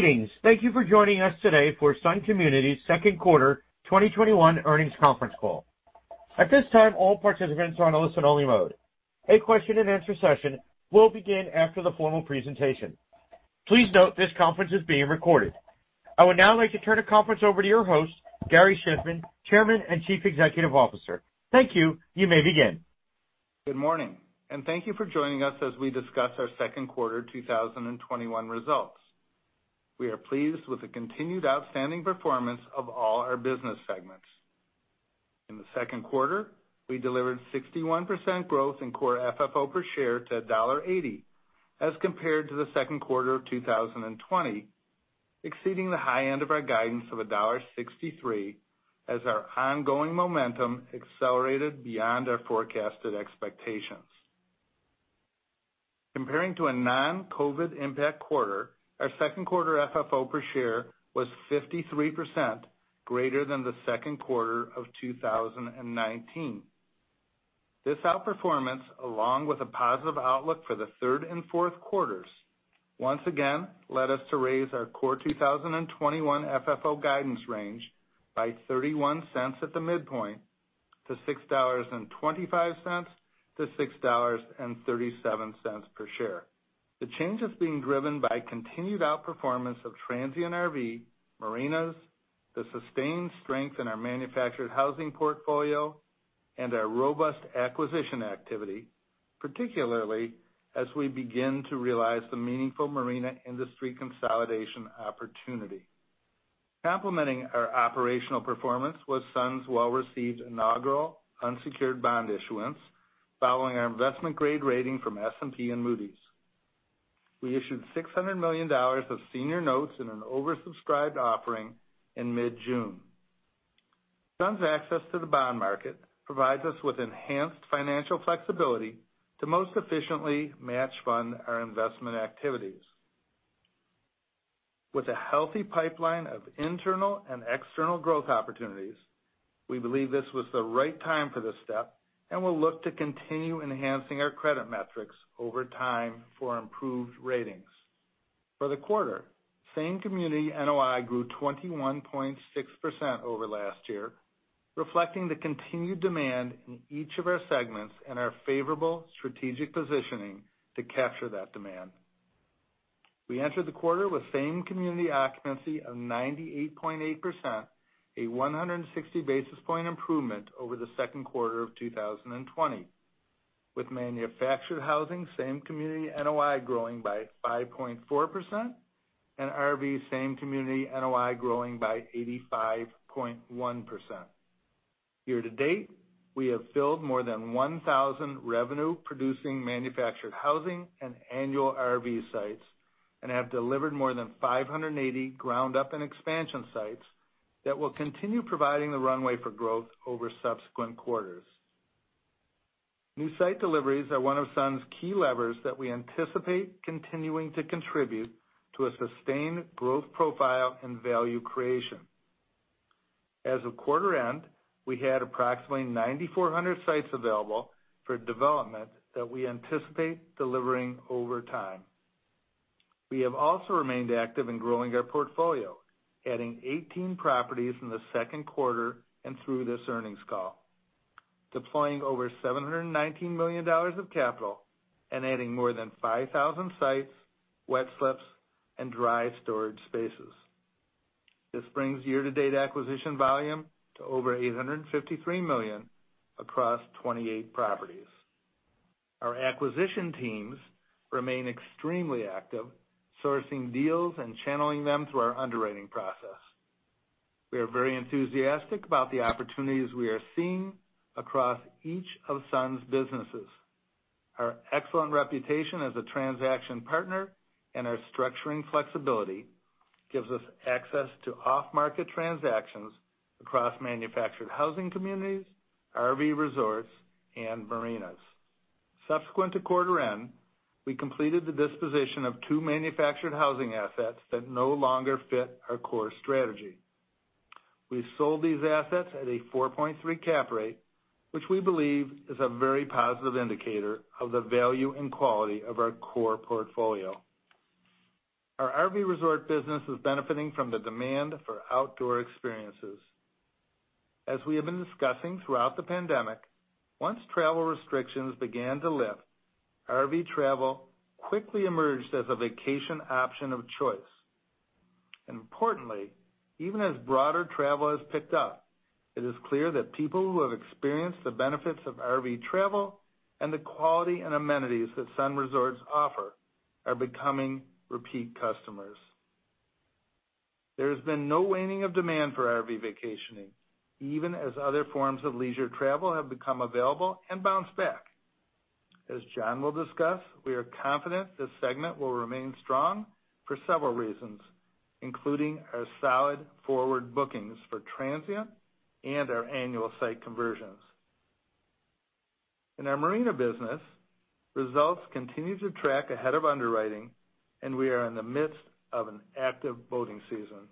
Greetings. Thank you for joining us today for Sun Communities' second quarter 2021 earnings conference call. At this time, all participants are on a listen only mode. A question and answer session will begin after the formal presentation. Please note this conference is being recorded. I would now like to turn the conference over to your host, Gary Shiffman, Chairman and Chief Executive Officer. Thank you. You may begin. Good morning, and thank you for joining us as we discuss our second quarter 2021 results. We are pleased with the continued outstanding performance of all our business segments. In the second quarter, we delivered 61% growth in Core FFO per share to $1.80 as compared to the second quarter of 2020, exceeding the high end of our guidance of $1.63 as our ongoing momentum accelerated beyond our forecasted expectations. Comparing to a non-COVID impact quarter, our second quarter FFO per share was 53% greater than the second quarter of 2019. This outperformance, along with a positive outlook for the third and fourth quarters, once again led us to raise our Core 2021 FFO guidance range by $0.31 at the midpoint to $6.25-$6.37 per share. The change is being driven by continued outperformance of transient RV, marinas, the sustained strength in our manufactured housing portfolio, and our robust acquisition activity, particularly as we begin to realize the meaningful marina industry consolidation opportunity. Complementing our operational performance was Sun's well-received inaugural unsecured bond issuance, following our investment grade rating from S&P and Moody's. We issued $600 million of senior notes in an oversubscribed offering in mid-June. Sun's access to the bond market provides us with enhanced financial flexibility to most efficiently match fund our investment activities. With a healthy pipeline of internal and external growth opportunities, we believe this was the right time for this step, and we'll look to continue enhancing our credit metrics over time for improved ratings. For the quarter, same community NOI grew 21.6% over last year, reflecting the continued demand in each of our segments and our favorable strategic positioning to capture that demand. We entered the quarter with same community occupancy of 98.8%, a 160 basis point improvement over the second quarter of 2020. With manufactured housing same community NOI growing by 5.4% and RV same community NOI growing by 85.1%. Year to date, we have filled more than 1,000 revenue producing manufactured housing and annual RV sites and have delivered more than 580 ground up and expansion sites that will continue providing the runway for growth over subsequent quarters. New site deliveries are one of Sun's key levers that we anticipate continuing to contribute to a sustained growth profile and value creation. As of quarter end, we had approximately 9,400 sites available for development that we anticipate delivering over time. We have also remained active in growing our portfolio, adding 18 properties in the second quarter and through this earnings call, deploying over $719 million of capital and adding more than 5,000 sites, wet slips, and dry storage spaces. This brings year to date acquisition volume to over $853 million across 28 properties. Our acquisition teams remain extremely active, sourcing deals and channeling them through our underwriting process. We are very enthusiastic about the opportunities we are seeing across each of Sun's businesses. Our excellent reputation as a transaction partner and our structuring flexibility gives us access to off-market transactions across manufactured housing communities, RV resorts, and marinas. Subsequent to quarter end, we completed the disposition of two manufactured housing assets that no longer fit our core strategy. We sold these assets at a 4.3% cap rate, which we believe is a very positive indicator of the value and quality of our core portfolio. Our RV resort business is benefiting from the demand for outdoor experiences. As we have been discussing throughout the pandemic, once travel restrictions began to lift, RV travel quickly emerged as a vacation option of choice. Importantly, even as broader travel has picked up, it is clear that people who have experienced the benefits of RV travel and the quality and amenities that Sun RV Resorts offer are becoming repeat customers. There has been no waning of demand for RV vacationing, even as other forms of leisure travel have become available and bounced back. As John will discuss, we are confident this segment will remain strong for several reasons, including our solid forward bookings for transient and our annual site conversions. In our marina business, results continue to track ahead of underwriting, and we are in the midst of an active boating season.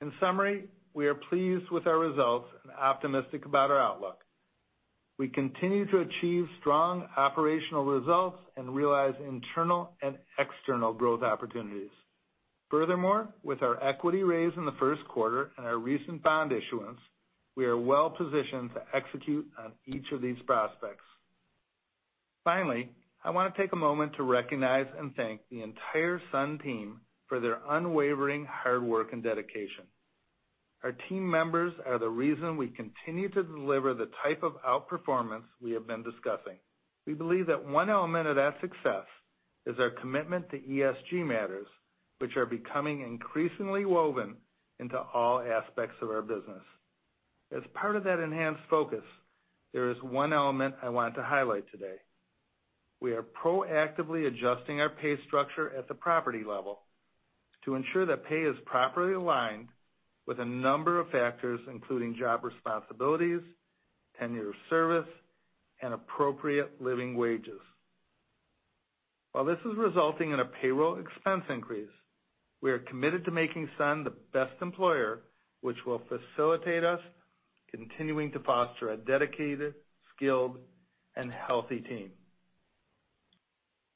In summary, we are pleased with our results and optimistic about our outlook. We continue to achieve strong operational results and realize internal and external growth opportunities. Furthermore, with our equity raise in the first quarter and our recent bond issuance, we are well positioned to execute on each of these prospects. Finally, I want to take a moment to recognize and thank the entire Sun team for their unwavering hard work and dedication. Our team members are the reason we continue to deliver the type of outperformance we have been discussing. We believe that one element of that success is our commitment to ESG matters, which are becoming increasingly woven into all aspects of our business. As part of that enhanced focus, there is one element I want to highlight today. We are proactively adjusting our pay structure at the property level to ensure that pay is properly aligned with a number of factors, including job responsibilities, tenure of service, and appropriate living wages. While this is resulting in a payroll expense increase, we are committed to making Sun the best employer, which will facilitate us continuing to foster a dedicated, skilled, and healthy team.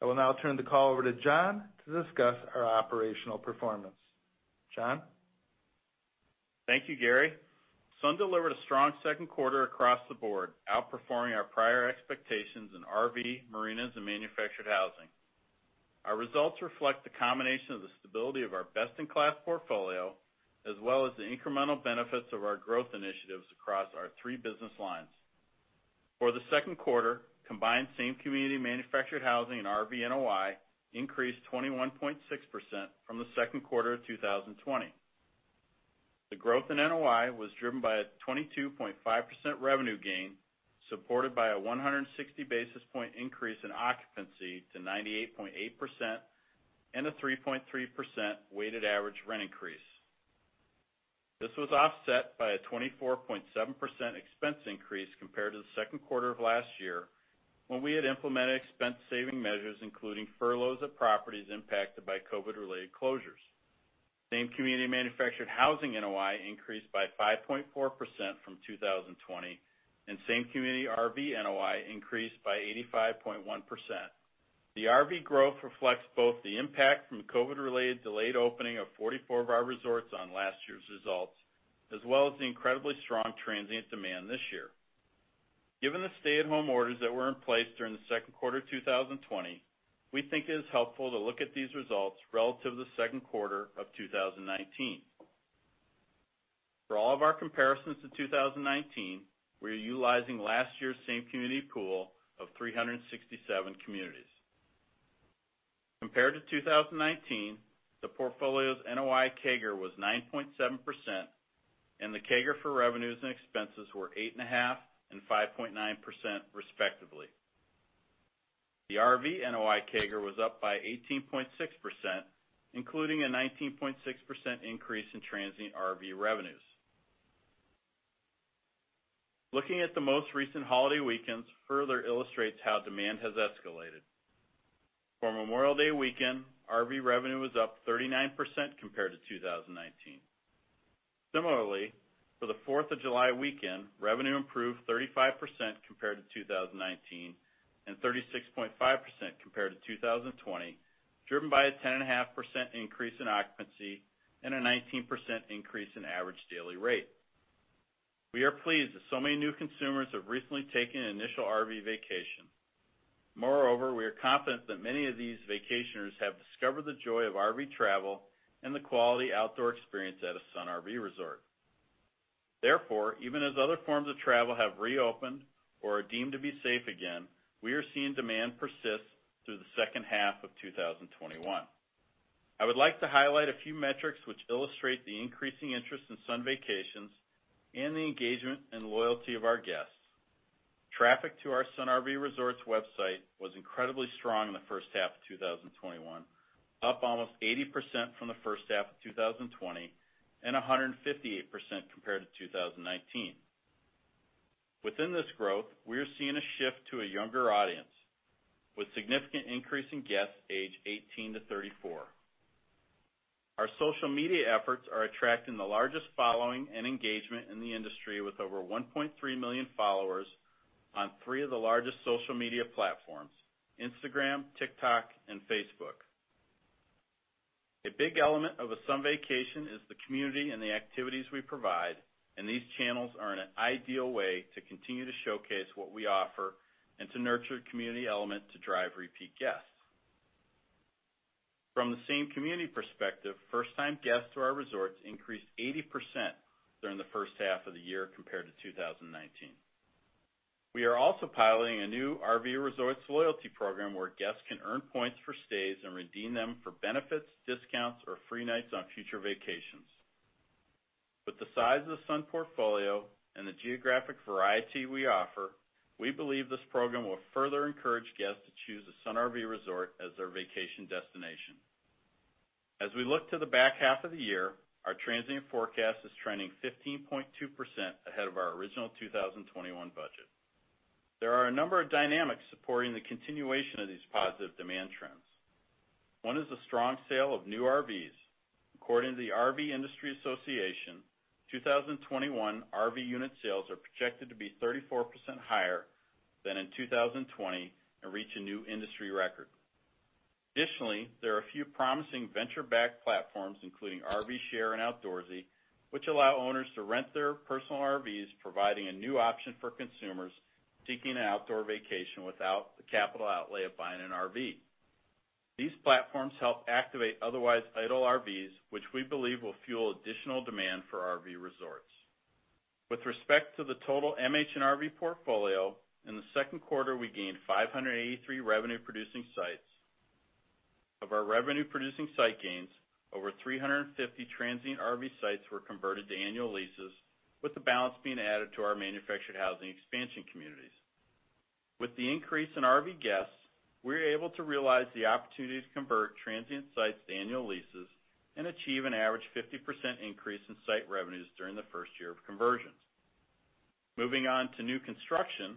I will now turn the call over to John to discuss our operational performance. John? Thank you, Gary. Sun delivered a strong second quarter across the board, outperforming our prior expectations in RV, marinas, and manufactured housing. Our results reflect the combination of the stability of our best-in-class portfolio, as well as the incremental benefits of our growth initiatives across our three business lines. For the second quarter, combined same community manufactured housing and RV NOI increased 21.6% from the second quarter of 2020. The growth in NOI was driven by a 22.5% revenue gain, supported by a 160 basis point increase in occupancy to 98.8%, and a 3.3% weighted average rent increase. This was offset by a 24.7% expense increase compared to the second quarter of last year, when we had implemented expense saving measures, including furloughs of properties impacted by COVID-related closures. Same community manufactured housing NOI increased by 5.4% from 2020, and same community RV NOI increased by 85.1%. The RV growth reflects both the impact from COVID-related delayed opening of 44 of our resorts on last year's results, as well as the incredibly strong transient demand this year. Given the stay-at-home orders that were in place during the second quarter of 2020, we think it is helpful to look at these results relative to the second quarter of 2019. For all of our comparisons to 2019, we are utilizing last year's same community pool of 367 communities. Compared to 2019, the portfolio's NOI CAGR was 9.7%, and the CAGR for revenues and expenses were 8.5% and 5.9%, respectively. The RV NOI CAGR was up by 18.6%, including a 19.6% increase in transient RV revenues. Looking at the most recent holiday weekends further illustrates how demand has escalated. For Memorial Day weekend, RV revenue was up 39% compared to 2019. Similarly, for the 4th of July weekend, revenue improved 35% compared to 2019 and 36.5% compared to 2020, driven by a 10.5% increase in occupancy and a 19% increase in average daily rate. We are pleased that so many new consumers have recently taken an initial RV vacation. Moreover, we are confident that many of these vacationers have discovered the joy of RV travel and the quality outdoor experience at a Sun RV Resort. Therefore, even as other forms of travel have reopened or are deemed to be safe again, we are seeing demand persist through the second half of 2021. I would like to highlight a few metrics which illustrate the increasing interest in Sun vacations and the engagement and loyalty of our guests. Traffic to our Sun RV Resorts website was incredibly strong in the first half of 2021, up almost 80% from the first half of 2020 and 158% compared to 2019. Within this growth, we are seeing a shift to a younger audience, with significant increase in guests aged 18 to 34. Our social media efforts are attracting the largest following and engagement in the industry, with over 1.3 million followers on three of the largest social media platforms, Instagram, TikTok, and Facebook. A big element of a Sun vacation is the community and the activities we provide. These channels are an ideal way to continue to showcase what we offer and to nurture community element to drive repeat guests. From the same community perspective, first-time guests to our resorts increased 80% during the first half of the year compared to 2019. We are also piloting a new RV resorts loyalty program where guests can earn points for stays and redeem them for benefits, discounts, or free nights on future vacations. With the size of the Sun portfolio and the geographic variety we offer, we believe this program will further encourage guests to choose a Sun RV resort as their vacation destination. As we look to the back half of the year, our transient forecast is trending 15.2% ahead of our original 2021 budget. There are a number of dynamics supporting the continuation of these positive demand trends. One is the strong sale of new RVs. According to the RV Industry Association, 2021 RV unit sales are projected to be 34% higher than in 2020 and reach a new industry record. Additionally, there are a few promising venture-backed platforms, including RVshare and Outdoorsy, which allow owners to rent their personal RVs, providing a new option for consumers seeking an outdoor vacation without the capital outlay of buying an RV. These platforms help activate otherwise idle RVs, which we believe will fuel additional demand for RV resorts. With respect to the total MH and RV portfolio, in the second quarter, we gained 583 revenue-producing sites. Of our revenue-producing site gains, over 350 transient RV sites were converted to annual leases, with the balance being added to our manufactured housing expansion communities. With the increase in RV guests, we were able to realize the opportunity to convert transient sites to annual leases and achieve an average 50% increase in site revenues during the first year of conversions. Moving on to new construction.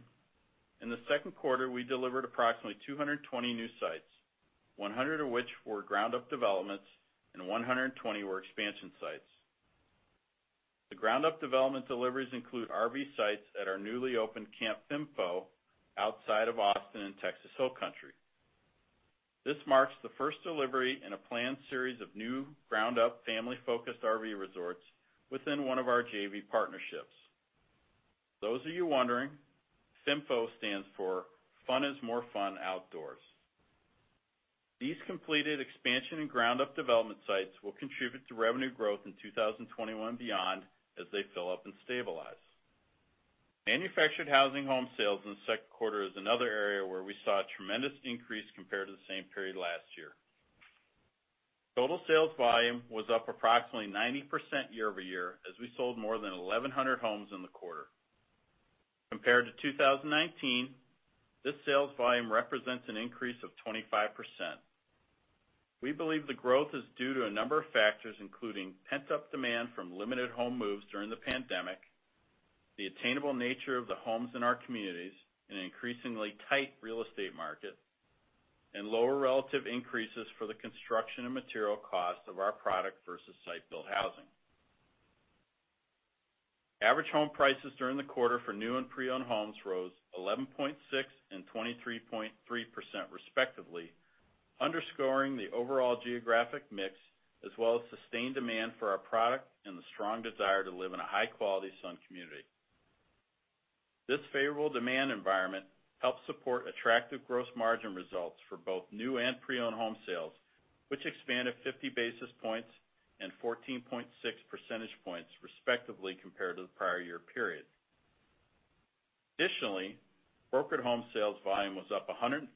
In the second quarter, we delivered approximately 220 new sites, 100 of which were ground-up developments and 120 were expansion sites. The ground-up development deliveries include RV sites at our newly opened Camp Fimfo outside of Austin in Texas Hill Country. This marks the first delivery in a planned series of new ground-up, family-focused RV resorts within one of our JV partnerships. For those of you wondering, Fimfo stands for Fun Is More Fun Outdoors. These completed expansion and ground-up development sites will contribute to revenue growth in 2021 and beyond as they fill up and stabilize. Manufactured housing home sales in the second quarter is another area where we saw a tremendous increase compared to the same period last year. Total sales volume was up approximately 90% year-over-year as we sold more than 1,100 homes in the quarter. Compared to 2019, this sales volume represents an increase of 25%. We believe the growth is due to a number of factors, including pent-up demand from limited home moves during the pandemic, the attainable nature of the homes in our communities in an increasingly tight real estate market, and lower relative increases for the construction and material costs of our product versus site-built housing. Average home prices during the quarter for new and pre-owned homes rose 11.6% and 23.3% respectively, underscoring the overall geographic mix as well as sustained demand for our product and the strong desire to live in a high-quality Sun community. This favorable demand environment helped support attractive gross margin results for both new and pre-owned home sales, which expanded 50 basis points and 14.6 percentage points respectively compared to the prior year period. Brokered home sales volume was up 113%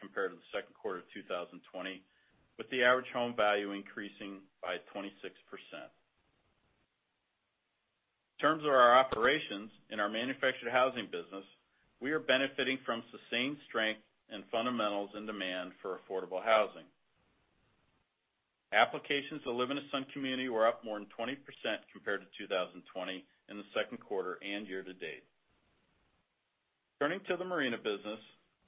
compared to the second quarter of 2020, with the average home value increasing by 26%. In terms of our operations in our manufactured housing business, we are benefiting from sustained strength and fundamentals in demand for affordable housing. Applications to live in a Sun community were up more than 20% compared to 2020 in the second quarter and year to date. Turning to the marina business,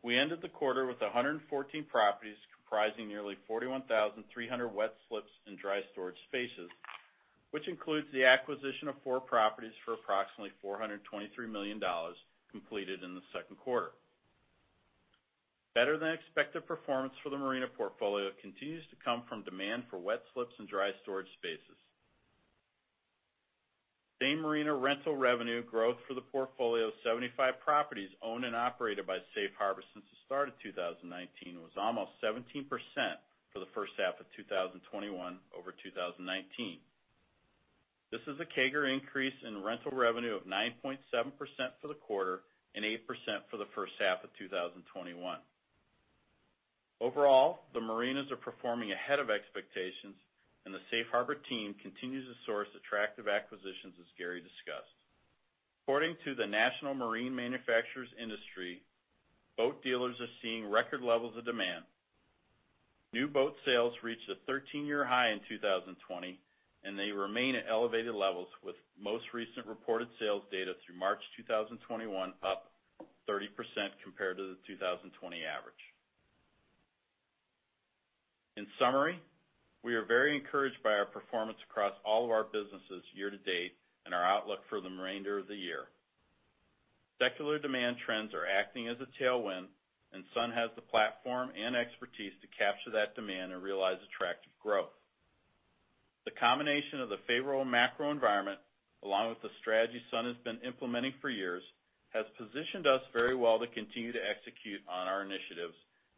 we ended the quarter with 114 properties comprising nearly 41,300 wet slips and dry storage spaces, which includes the acquisition of four properties for approximately $423 million completed in the second quarter. Better-than-expected performance for the marina portfolio continues to come from demand for wet slips and dry storage spaces. Same marina rental revenue growth for the portfolio of 75 properties owned and operated by Safe Harbor since the start of 2019 was almost 17% for the first half of 2021 over 2019. This is a CAGR increase in rental revenue of 9.7% for the quarter and 8% for the first half of 2021. Overall, the marinas are performing ahead of expectations, and the Safe Harbor team continues to source attractive acquisitions, as Gary discussed. According to the National Marine Manufacturers Association, boat dealers are seeing record levels of demand. New boat sales reached a 13-year high in 2020, and they remain at elevated levels, with most recent reported sales data through March 2021 up 30% compared to the 2020 average. In summary, we are very encouraged by our performance across all of our businesses year to date and our outlook for the remainder of the year. Secular demand trends are acting as a tailwind, and Sun has the platform and expertise to capture that demand and realize attractive growth. The combination of the favorable macro environment, along with the strategy Sun has been implementing for years, has positioned us very well to continue to execute on our initiatives,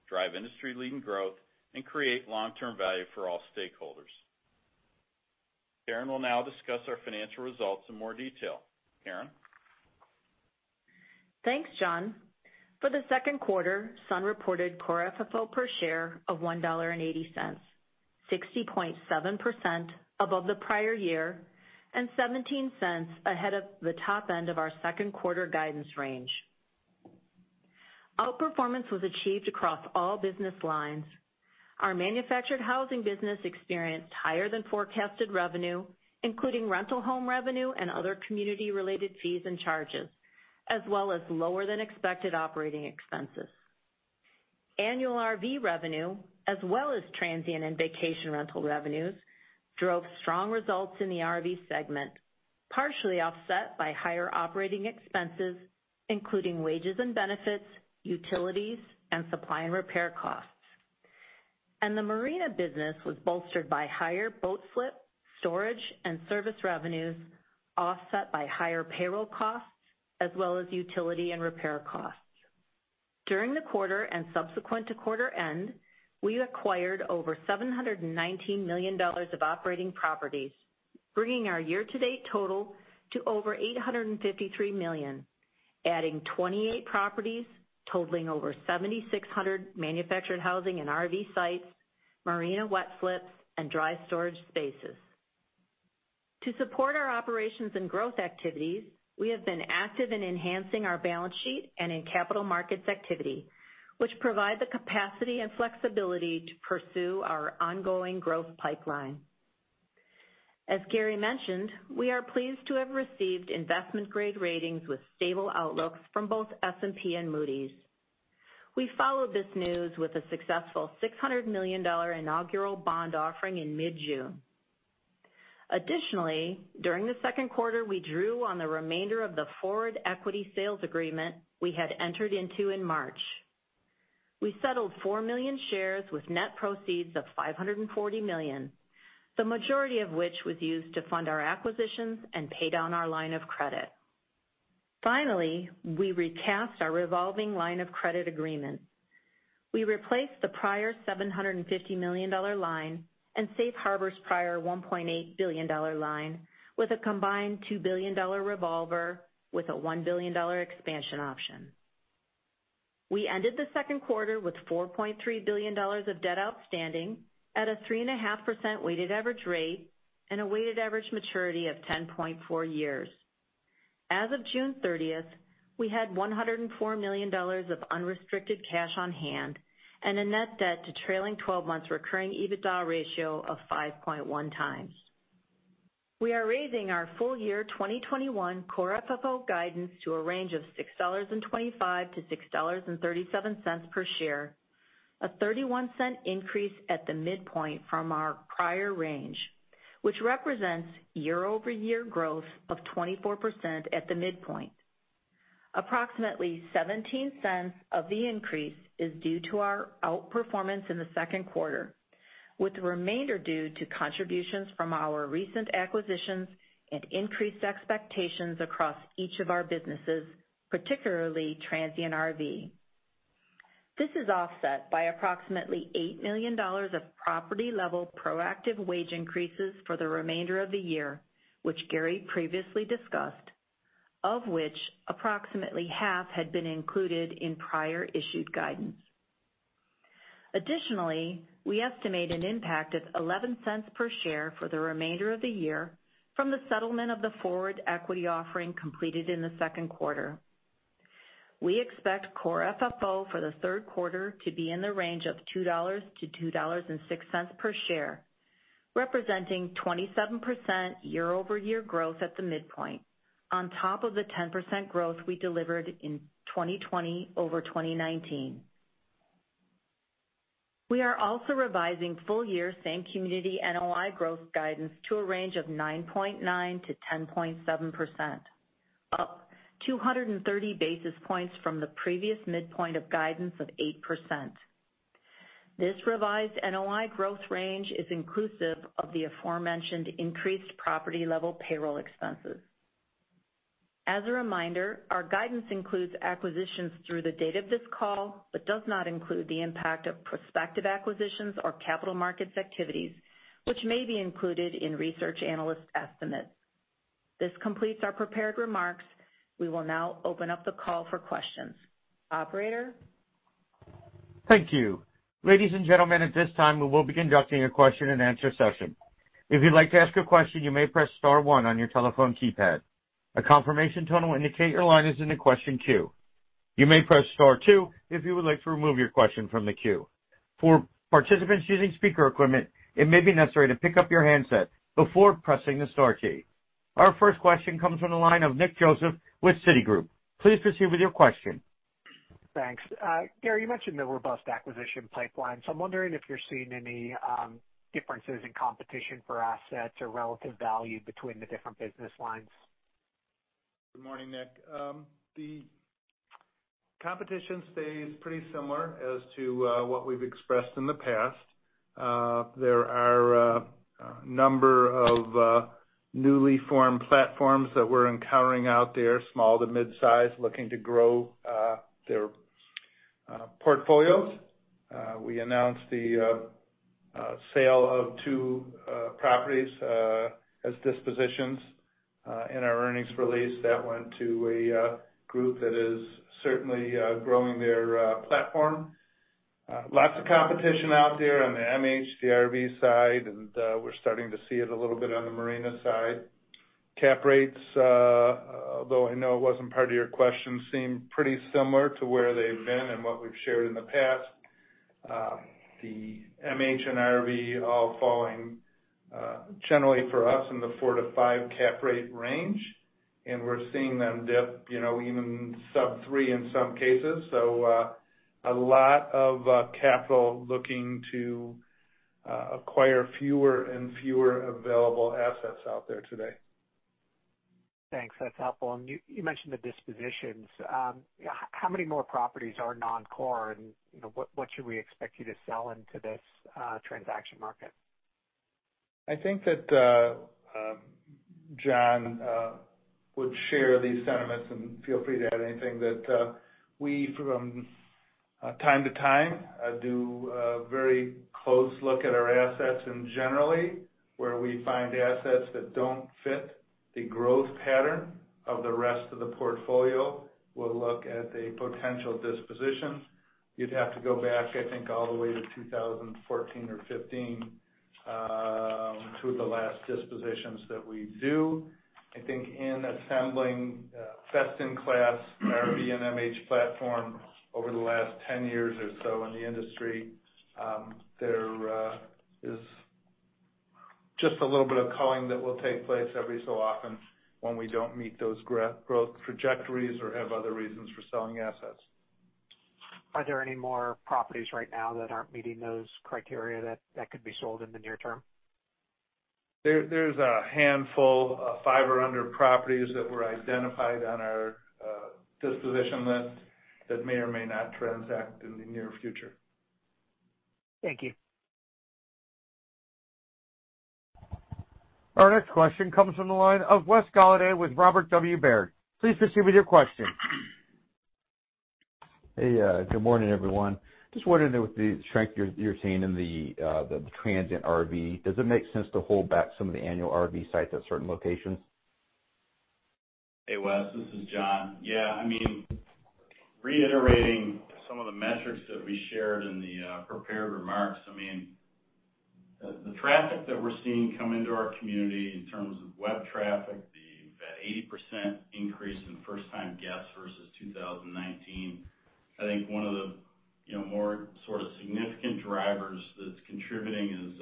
drive industry-leading growth, and create long-term value for all stakeholders. Karen will now discuss our financial results in more detail. Karen? Thanks, John. For the second quarter, Sun reported Core FFO per share of $1.80, 60.7% above the prior year and $0.17 ahead of the top end of our second quarter guidance range. Outperformance was achieved across all business lines. Our manufactured housing business experienced higher than forecasted revenue, including rental home revenue and other community-related fees and charges, as well as lower than expected operating expenses. Annual RV revenue, as well as transient and vacation rental revenues, drove strong results in the RV segment, partially offset by higher operating expenses, including wages and benefits, utilities, and supply and repair costs. The marina business was bolstered by higher boat slip, storage, and service revenues, offset by higher payroll costs as well as utility and repair costs. During the quarter and subsequent to quarter end, we acquired over $719 million of operating properties, bringing our year-to-date total to over $853 million, adding 28 properties totaling over 7,600 manufactured housing and RV sites, marina wet slips, and dry storage spaces. To support our operations and growth activities, we have been active in enhancing our balance sheet and in capital markets activity, which provide the capacity and flexibility to pursue our ongoing growth pipeline. As Gary mentioned, we are pleased to have received investment-grade ratings with stable outlooks from both S&P and Moody's. We followed this news with a successful $600 million inaugural bond offering in mid-June. Additionally, during the second quarter, we drew on the remainder of the forward equity sales agreement we had entered into in March. We settled 4 million shares with net proceeds of $540 million, the majority of which was used to fund our acquisitions and pay down our line of credit. Finally, we recast our revolving line of credit agreement. We replaced the prior $750 million line and Safe Harbor's prior $1.8 billion line with a combined $2 billion revolver with a $1 billion expansion option. We ended the second quarter with $4.3 billion of debt outstanding at a 3.5% weighted average rate and a weighted average maturity of 10.4 years. As of June 30th, we had $104 million of unrestricted cash on hand and a net debt to trailing 12 months recurring EBITDA ratio of 5.1 times. We are raising our full year 2021 Core FFO guidance to a range of $6.25-$6.37 per share, a $0.31 increase at the midpoint from our prior range, which represents year-over-year growth of 24% at the midpoint. Approximately $0.17 of the increase is due to our outperformance in the second quarter, with the remainder due to contributions from our recent acquisitions and increased expectations across each of our businesses, particularly transient RV. This is offset by approximately $8 million of property-level proactive wage increases for the remainder of the year, which Gary previously discussed, of which approximately half had been included in prior issued guidance. Additionally, we estimate an impact of $0.11 per share for the remainder of the year from the settlement of the forward equity offering completed in the second quarter. We expect Core FFO for the third quarter to be in the range of $2-$2.06 per share, representing 27% year-over-year growth at the midpoint, on top of the 10% growth we delivered in 2020 over 2019. We are also revising full year same community NOI growth guidance to a range of 9.9%-10.7%, up 230 basis points from the previous midpoint of guidance of 8%. This revised NOI growth range is inclusive of the aforementioned increased property-level payroll expenses. As a reminder, our guidance includes acquisitions through the date of this call, but does not include the impact of prospective acquisitions or capital markets activities, which may be included in research analyst estimates. This completes our prepared remarks. We will now open up the call for questions. Operator? Our first question comes from the line of Nick Joseph with Citigroup. Please proceed with your question. Thanks. Gary, you mentioned the robust acquisition pipeline. I'm wondering if you're seeing any differences in competition for assets or relative value between the different business lines. Good morning, Nick. The competition stays pretty similar as to what we've expressed in the past. There are a number of newly formed platforms that we're encountering out there, small to mid-size, looking to grow their portfolios. We announced the sale of two properties as dispositions in our earnings release. That went to a group that is certainly growing their platform. Lots of competition out there on the MH, RV side, and we're starting to see it a little bit on the marina side. Cap rates, although I know it wasn't part of your question, seem pretty similar to where they've been and what we've shared in the past. The MH and RV all falling, generally for us, in the 4-5 cap rate range, and we're seeing them dip even sub three in some cases. A lot of capital looking to acquire fewer and fewer available assets out there today. Thanks. That's helpful. You mentioned the dispositions. How many more properties are non-core and what should we expect you to sell into this transaction market? I think that John would share these sentiments and feel free to add anything that we, from time to time, do a very close look at our assets and generally where we find assets that don't fit the growth pattern of the rest of the portfolio, we'll look at a potential disposition. You'd have to go back, I think all the way to 2014 or 2015, to the last dispositions that we do. I think in assembling best in class RV and MH platform over the last 10 years or so in the industry, there is just a little bit of culling that will take place every so often when we don't meet those growth trajectories or have other reasons for selling assets. Are there any more properties right now that aren't meeting those criteria that could be sold in the near term? There's a handful of five or under properties that were identified on our disposition list that may or may not transact in the near future. Thank you. Our next question comes from the line of Wes Golladay with Robert W. Baird. Please proceed with your question. Hey, good morning, everyone. Just wondering with the strength you're seeing in the transient RV, does it make sense to hold back some of the annual RV sites at certain locations? Hey, Wes, this is John. Yeah, reiterating some of the metrics that we shared in the prepared remarks. The traffic that we're seeing come into our community in terms of web traffic, the 80% increase in first time guests versus 2019. I think one of the more sort of significant drivers that's contributing is,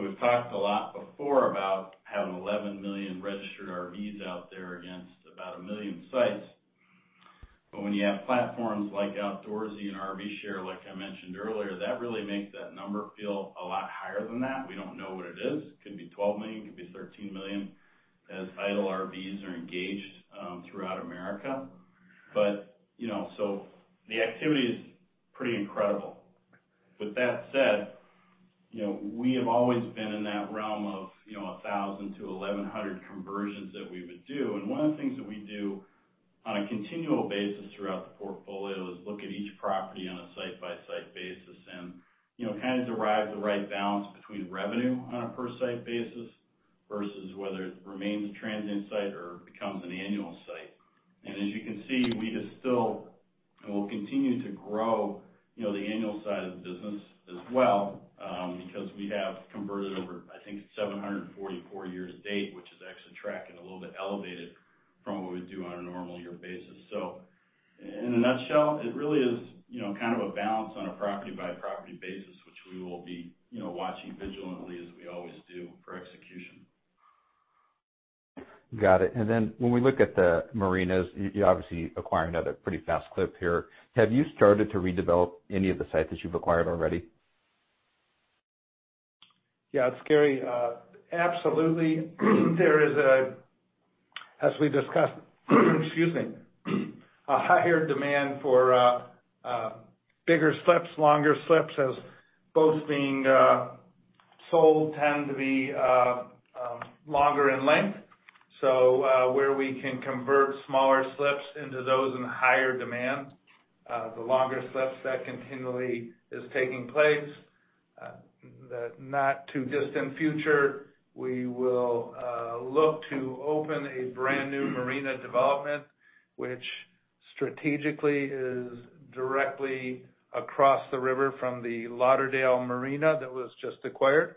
we've talked a lot before about having 11 million registered RVs out there against about one million sites, but when you have platforms like Outdoorsy and RVshare, like I mentioned earlier, that really makes that number feel a lot higher than that. We don't know what it is. Could be 12 million, could be 13 million, as idle RVs are engaged, throughout America. So the activity is pretty incredible. With that said, we have always been in that realm of 1,000 to 1,100 conversions that we would do, and one of the things that we do on a continual basis throughout the portfolio is look at each property on a site by site basis and, kind of derive the right balance between revenue on a per site basis versus whether it remains a transient site or becomes an annual site. As you can see, we just still will continue to grow the annual side of the business as well, because we have converted over, I think, 744 year to date, which is actually tracking a little bit elevated from what we do on a normal year basis. In a nutshell, it really is kind of a balance on a property by property basis, which we will be watching vigilantly as we always do for execution. Got it. When we look at the marinas, you obviously acquire another pretty fast clip here. Have you started to redevelop any of the sites that you've acquired already? It's Gary. Absolutely. There is a, as we discussed, excuse me, a higher demand for bigger slips, longer slips as boats being sold tend to be longer in length. Where we can convert smaller slips into those in higher demand, the longer slips that continually is taking place. The not too distant future, we will look to open a brand new marina development, which strategically is directly across the river from the Lauderdale Marina that was just acquired.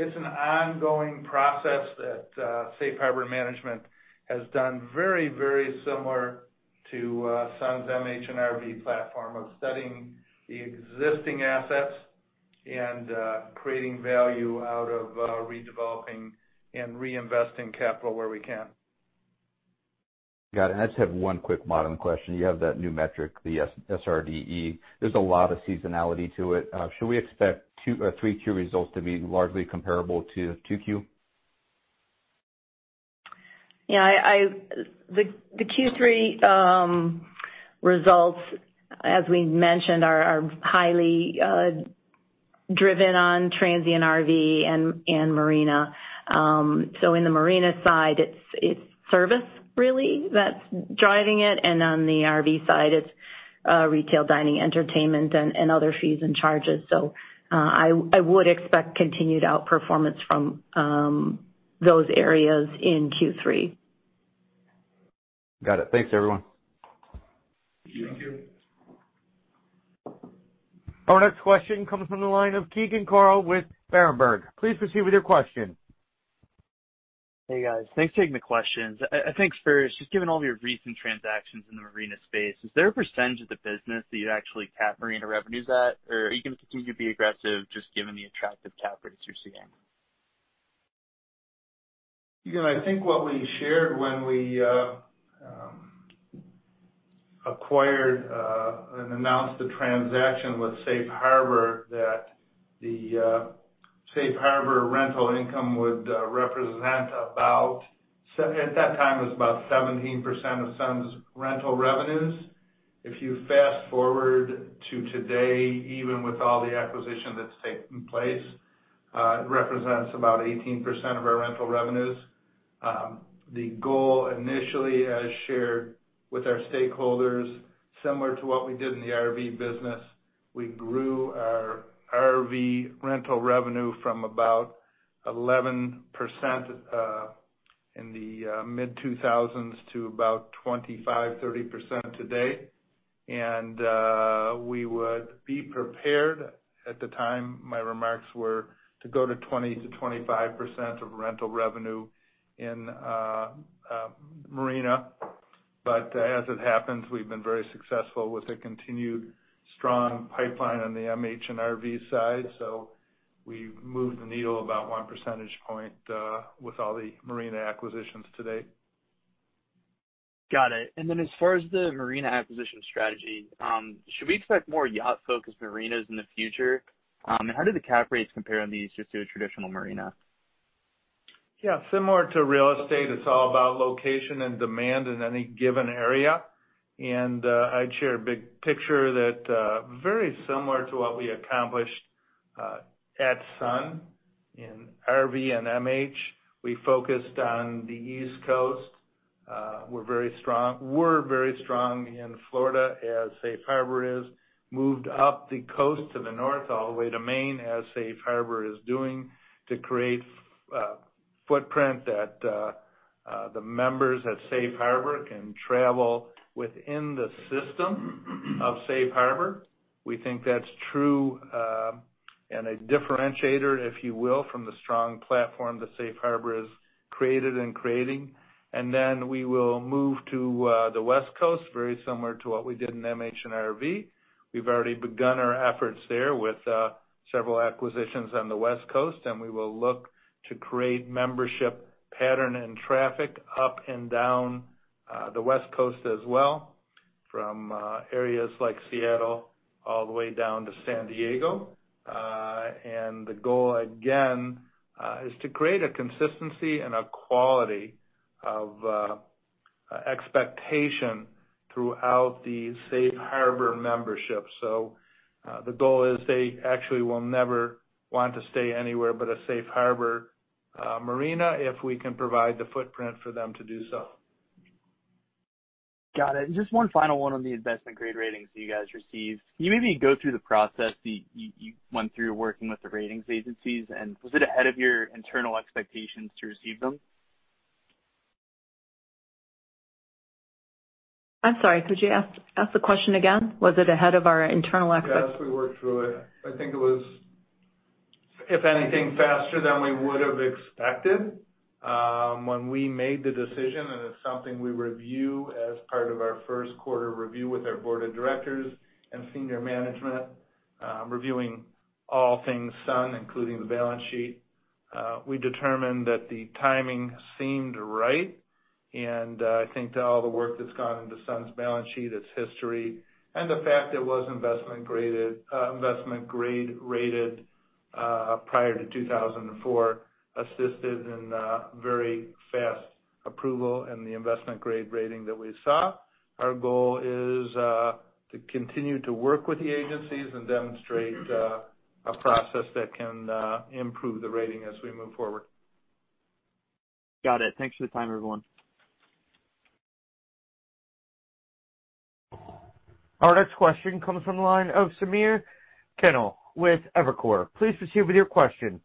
It's an ongoing process that Safe Harbor Marinas has done very similar to Sun's MH and RV platform of studying the existing assets and creating value out of redeveloping and reinvesting capital where we can. Got it. I just have one quick model question. You have that new metric, the SRDE. There's a lot of seasonality to it. Should we expect 3Q results to be largely comparable to 2Q? Yeah, the Q3 results, as we mentioned, are highly driven on transient RV and Marina. In the marina side, it's service really that's driving it, and on the RV side, it's retail, dining, entertainment and other fees and charges. I would expect continued outperformance from those areas in Q3. Got it. Thanks everyone. Thank you. Our next question comes from the line of Keegan Carl with Berenberg. Please proceed with your question. Hey, guys. Thanks for taking the questions. I think just given all of your recent transactions in the marina space, is there a percentage of the business that you actually cap marina revenues at, or are you going to continue to be aggressive just given the attractive cap rates you're seeing? I think what we shared when we acquired and announced the transaction with Safe Harbor, that the Safe Harbor rental income would represent about 17% of Sun's rental revenues. If you fast-forward to today, even with all the acquisition that's taken place, it represents about 18% of our rental revenues. The goal initially as shared with our stakeholders, similar to what we did in the RV business, we grew our RV rental revenue from about 11% in the mid-2000s to about 25%, 30% today. We would be prepared. At the time, my remarks were to go to 20%-25% of rental revenue in marina. As it happens, we've been very successful with a continued strong pipeline on the MH and RV side. We've moved the needle about 1 percentage point with all the marina acquisitions to date. Got it. As far as the marina acquisition strategy, should we expect more yacht-focused marinas in the future? How do the cap rates compare on these just to a traditional marina? Yeah. Similar to real estate, it's all about location and demand in any given area. I'd share a big picture that very similar to what we accomplished at Sun in RV and MH. We focused on the East Coast. We're very strong in Florida as Safe Harbor is, moved up the coast to the north all the way to Maine, as Safe Harbor is doing to create footprint that the members at Safe Harbor can travel within the system of Safe Harbor. We think that's true and a differentiator, if you will, from the strong platform that Safe Harbor has created and creating. We will move to the West Coast, very similar to what we did in MH and RV. We've already begun our efforts there with several acquisitions on the West Coast, and we will look to create membership pattern and traffic up and down the West Coast as well, from areas like Seattle all the way down to San Diego. The goal again is to create a consistency and a quality of expectation throughout the Safe Harbor membership. The goal is they actually will never want to stay anywhere but a Safe Harbor marina, if we can provide the footprint for them to do so. Got it. Just one final one on the investment grade ratings that you guys received. Can you maybe go through the process that you went through working with the ratings agencies, and was it ahead of your internal expectations to receive them? I'm sorry, could you ask the question again? Was it ahead of our internal expectations? Yes, we worked through it. I think it was, if anything, faster than we would've expected, when we made the decision, and it's something we review as part of our first quarter review with our board of directors and senior management, reviewing all things Sun, including the balance sheet. We determined that the timing seemed right, and I think that all the work that's gone into Sun's balance sheet, its history, and the fact it was investment grade rated prior to 2004, assisted in a very fast approval and the investment grade rating that we saw. Our goal is to continue to work with the agencies and demonstrate a process that can improve the rating as we move forward. Got it. Thanks for the time, everyone. Our next question comes from the line of Samir Khanal with Evercore. Please proceed with your question.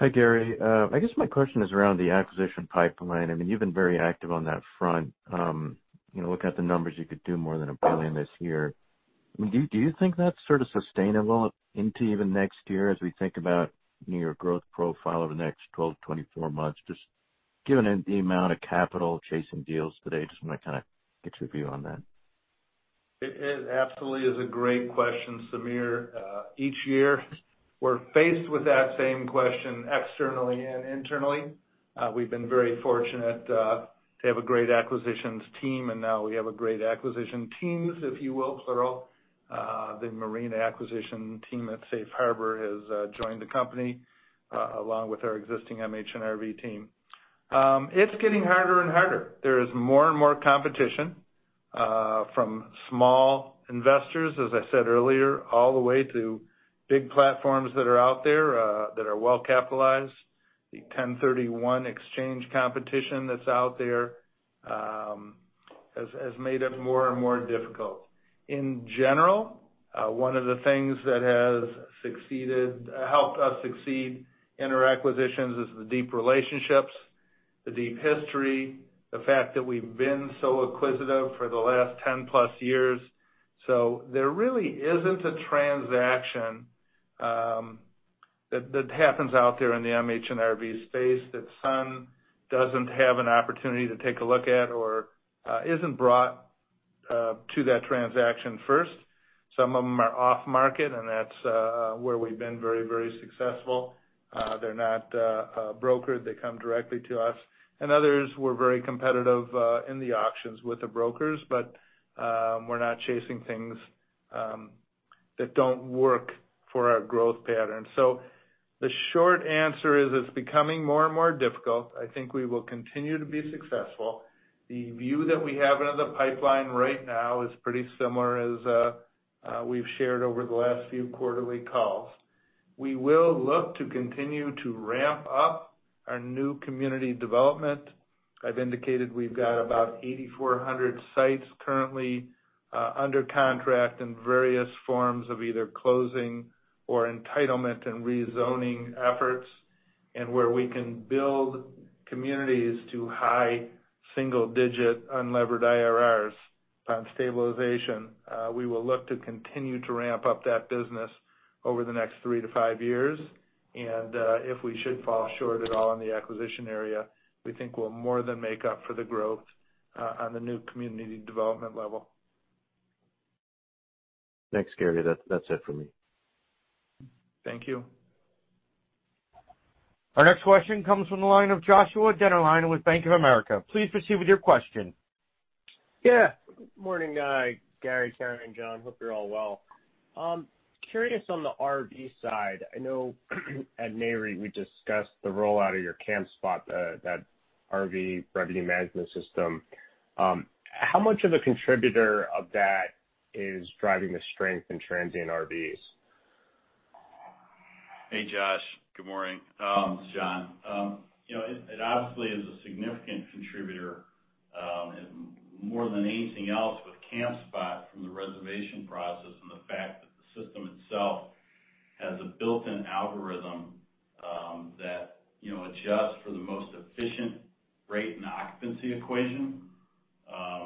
Hi, Gary. I guess my question is around the acquisition pipeline. I mean, you've been very active on that front. Looking at the numbers, you could do more than $1 billion this year. Do you think that's sort of sustainable into even next year as we think about your growth profile over the next 12-24 months? Just given the amount of capital chasing deals today, just want to kind of get your view on that. It absolutely is a great question, Samir. Each year we're faced with that same question externally and internally. We've been very fortunate to have a great acquisitions team, and now we have a great acquisition teams, if you will, plural. The marina acquisition team at Safe Harbor has joined the company along with our existing MH and RV team. It's getting harder and harder. There is more and more competition from small investors, as I said earlier, all the way to big platforms that are out there that are well-capitalized. The 1031 exchange competition that's out there has made it more and more difficult. In general, one of the things that has helped us succeed in our acquisitions is the deep relationships, the deep history, the fact that we've been so acquisitive for the last 10+ years. There really isn't a transaction that happens out there in the MH and RV space that Sun doesn't have an opportunity to take a look at or isn't brought to that transaction first. Some of them are off market, and that's where we've been very successful. They're not brokered. They come directly to us, and others we're very competitive in the auctions with the brokers. We're not chasing things that don't work for our growth pattern. The short answer is, it's becoming more and more difficult. I think we will continue to be successful. The view that we have out of the pipeline right now is pretty similar as we've shared over the last few quarterly calls. We will look to continue to ramp up our new community development. I've indicated we've got about 8,400 sites currently under contract in various forms of either closing or entitlement and rezoning efforts, and where we can build communities to high single-digit unlevered IRRs on stabilization. We will look to continue to ramp up that business over the next three to five years. If we should fall short at all in the acquisition area, we think we'll more than make up for the growth on the new community development level. Thanks, Gary. That's it for me. Thank you. Our next question comes from the line of Joshua Dennerlein with Bank of America. Please proceed with your question. Yeah. Morning, guy. Gary, Karen, and John. Hope you're all well. Curious on the RV side, I know at Nareit we discussed the rollout of your Campspot, that RV revenue management system. How much of a contributor of that is driving the strength in transient RVs? Hey, Josh. Good morning. It's John. It obviously is a significant contributor, more than anything else with Campspot from the reservation process and the fact that the system itself has a built-in algorithm that adjusts for the most efficient rate and occupancy equation. As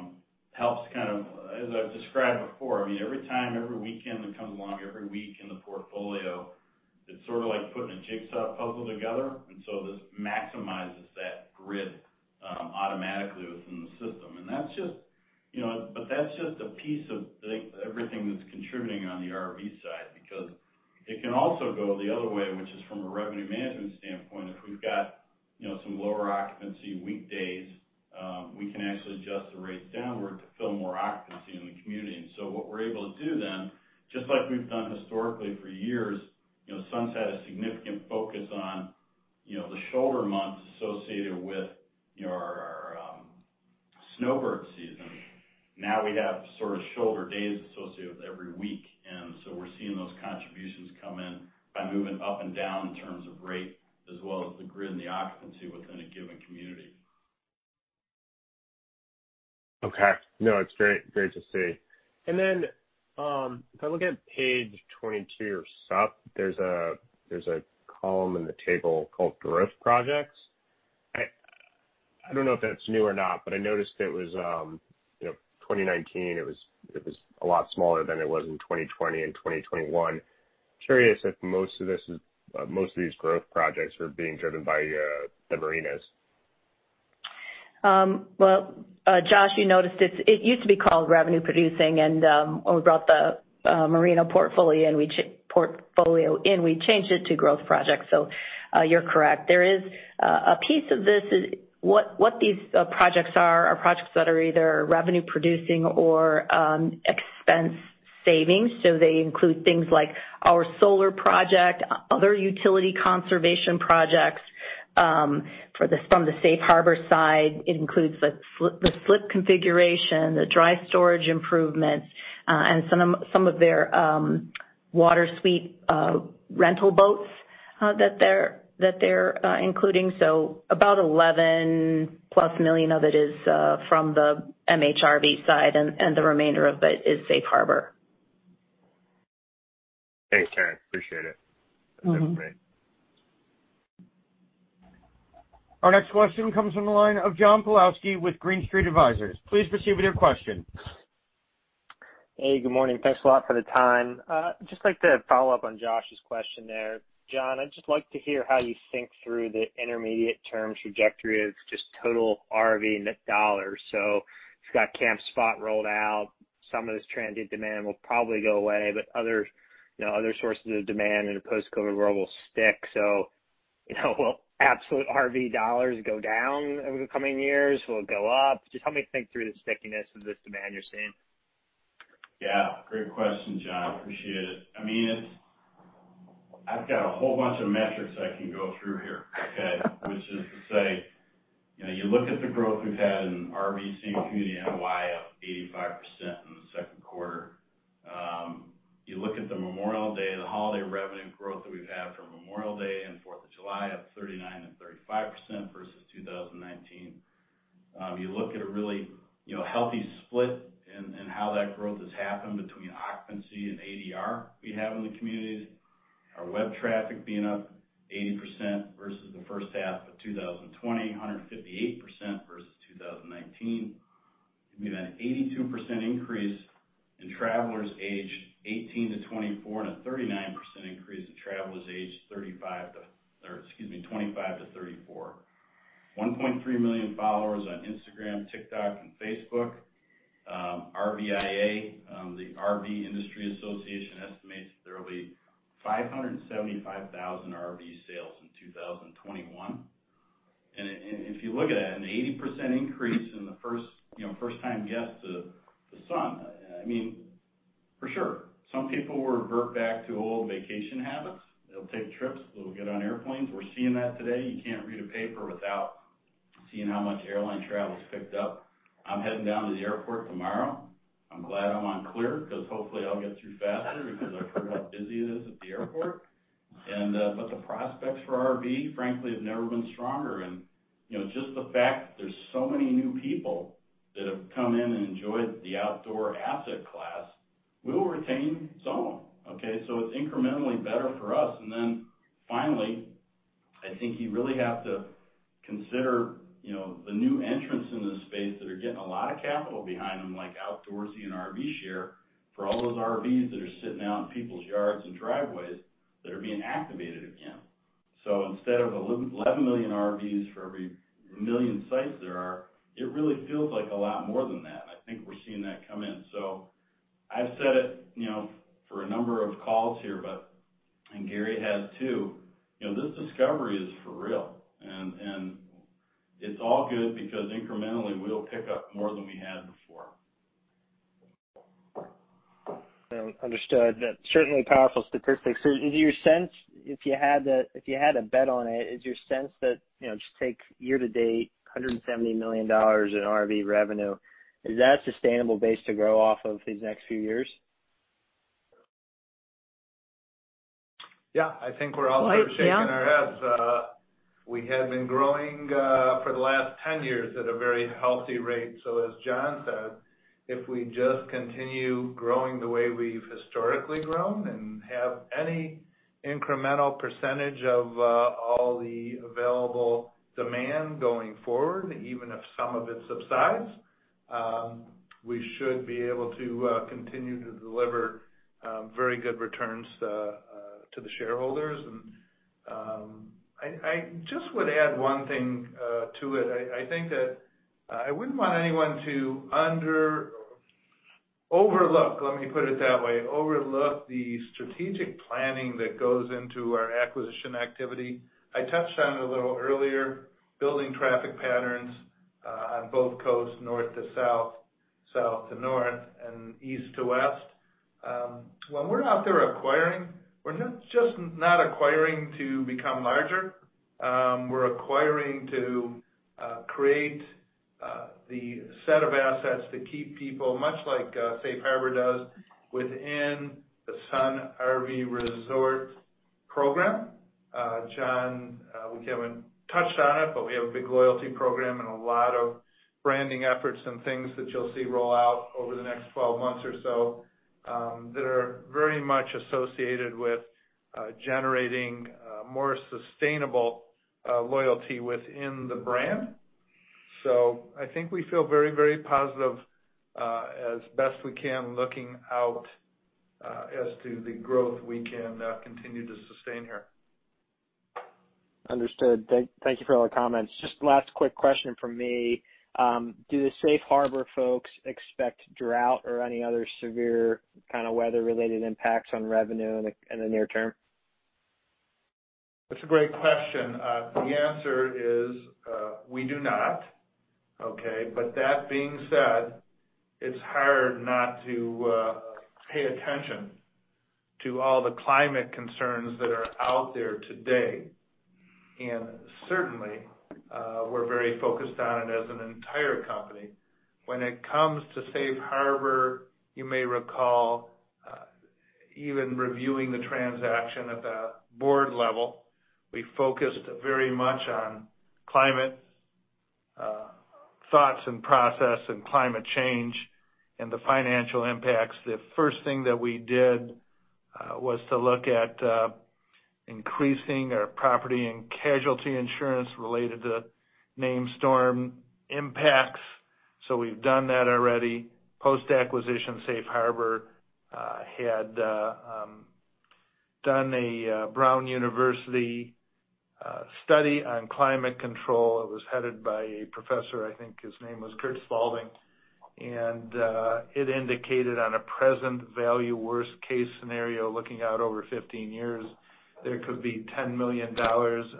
I've described before, every time, every weekend that comes along, every week in the portfolio, it's sort of like putting a jigsaw puzzle together. This maximizes that grid automatically within the system. That's just a piece of everything that's contributing on the RV side, because it can also go the other way, which is from a revenue management standpoint. If we've got some lower occupancy weekdays, we can actually adjust the rates downward to fill more occupancy in the community. What we're able to do then, just like we've done historically for years, Sun's had a significant focus on the shoulder months associated with our snowbird season. Now we have sort of shoulder days associated with every week. We're seeing those contributions come in by moving up and down in terms of rate, as well as the grid and the occupancy within a given community. Okay. No, it's great to see. If I look at page 22 or so, there's a column in the table called growth projects. I don't know if that's new or not, but I noticed it was 2019, it was a lot smaller than it was in 2020 and 2021. Curious if most of these growth projects are being driven by the marinas. Well, Josh, you noticed it used to be called revenue producing. When we brought the marina portfolio in, we changed it to growth projects. You're correct. There is a piece of this. What these projects are projects that are either revenue producing or expense savings. They include things like our solar project, other utility conservation projects. From the Safe Harbor side, it includes the slip configuration, the dry storage improvements, and some of their water suite rental boats that they're including. About $11+ million of it is from the MHRB side and the remainder of it is Safe Harbor. Thanks, Karen. Appreciate it. That's great. Our next question comes from the line of John Pawlowski with Green Street Advisors. Please proceed with your question. Hey, good morning. Thanks a lot for the time. I'd just like to follow up on Joshua's question there. John, I'd just like to hear how you think through the intermediate term trajectory of just total RV net dollars. You've got Campspot rolled out. Some of this transient demand will probably go away, other sources of demand in a post-COVID world will stick. Will absolute RV dollars go down over the coming years? Will it go up? Just help me think through the stickiness of this demand you're seeing. Yeah, great question, John. Appreciate it. I've got a whole bunch of metrics I can go through here, okay? You look at the growth we've had in RV same community NOI up 85% in the second quarter. You look at the Memorial Day, the holiday revenue growth that we've had from Memorial Day and 4th of July, up 39% and 35% versus 2019. You look at a really healthy split in how that growth has happened between occupancy and ADR we have in the communities. Our web traffic being up 80% versus the first half of 2020, 158% versus 2019. We've had an 82% increase in travelers aged 18 to 24, and a 39% increase in travelers aged 35 to, or excuse me, 25 to 34. 1.3 million followers on Instagram, TikTok, and Facebook. RVIA, the RV Industry Association, estimates that there will be 575,000 RV sales in 2021. If you look at it, an 80% increase in the first time guests to Sun. For sure, some people will revert back to old vacation habits. They'll take trips, they'll get on airplanes. We're seeing that today. You can't read a paper without seeing how much airline travel's picked up. I'm heading down to the airport tomorrow. I'm glad I'm on CLEAR because hopefully I'll get through faster because I've heard how busy it is at the airport. The prospects for RV, frankly, have never been stronger. Just the fact that there's so many new people that have come in and enjoyed the outdoor asset class, we'll retain some. Okay? It's incrementally better for us. Finally, I think you really have to consider the new entrants in this space that are getting a lot of capital behind them, like Outdoorsy and RVshare, for all those RVs that are sitting out in people's yards and driveways that are being activated again. Instead of 11 million RVs for every million sites there are, it really feels like a lot more than that, and I think we're seeing that come in. I've said it for a number of calls here, but, and Gary has too, this discovery is for real, and it's all good because incrementally, we'll pick up more than we had before. Understood. That's certainly powerful statistics. Is it your sense, if you had to bet on it, that, just take year to date, $170 million in RV revenue, is that a sustainable base to grow off of these next few years? Yeah, I think we're all sort of shaking our heads. We have been growing for the last 10 years at a very healthy rate. As John said, if we just continue growing the way we've historically grown and have any incremental percentage of all the available demand going forward, even if some of it subsides, we should be able to continue to deliver very good returns to the shareholders. I just would add one thing to it. I think that I wouldn't want anyone to overlook, let me put it that way, overlook the strategic planning that goes into our acquisition activity. I touched on it a little earlier, building traffic patterns on both coasts, north to south to north, and east to west. When we're out there acquiring, we're just not acquiring to become larger. We're acquiring to create the set of assets to keep people, much like Safe Harbor does, within the Sun RV Resorts program. John, we haven't touched on it, we have a big loyalty program and a lot of branding efforts and things that you'll see roll out over the next 12 months or so, that are very much associated with generating more sustainable loyalty within the brand. I think we feel very positive, as best we can, looking out, as to the growth we can continue to sustain here. Understood. Thank you for all the comments. Just last quick question from me. Do the Safe Harbor folks expect drought or any other severe kind of weather-related impacts on revenue in the near term? That's a great question. The answer is, we do not, okay? That being said, it's hard not to pay attention to all the climate concerns that are out there today. Certainly, we're very focused on it as an entire company. When it comes to Safe Harbor, you may recall, even reviewing the transaction at the board level, we focused very much on climate thoughts and process and climate change and the financial impacts. The first thing that we did was to look at increasing our property and casualty insurance related to named storm impacts. We've done that already. Post-acquisition, Safe Harbor had done a Brown University study on climate control. It was headed by a professor, I think his name was Curt Spalding. It indicated on a present value worst case scenario, looking out over 15 years, there could be $10 million